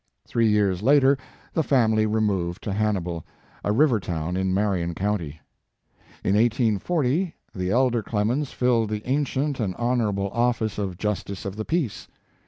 Three years later the family removed to Hannibal, a river town in Marion county. In 1840 the elder Clemens filled the ancient and honorable office of Justice of His Life and Work. 15 the Peace.